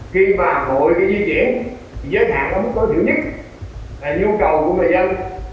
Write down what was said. khi mà mỗi cái diễn diễn giới hạn có mức tối thứ nhất là nhu cầu của người dân